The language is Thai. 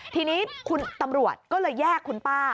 ทีนี้คุณตำรวจก็เลยแยกคุณป้า